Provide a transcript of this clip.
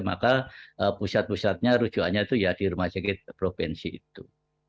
maka pusat pusatnya rujukannya itu ya di rumah sakit provinsi itu